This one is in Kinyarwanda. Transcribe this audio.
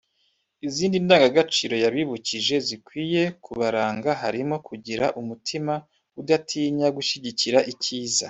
Izindi ndangagaciro yabibukije zikwiye kubaranga harimo kugira umutima udatinya gushyigikira icyiza